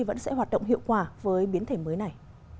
vẫn sẽ hoạt động hiệu quả với biến thể mới này